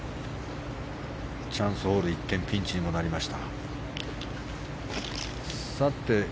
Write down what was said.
チャンスホールで一転ピンチにもなりました。